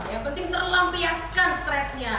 yang penting terlampiaskan stresnya